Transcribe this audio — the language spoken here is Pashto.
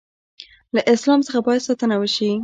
له اسلام څخه باید ساتنه وشي.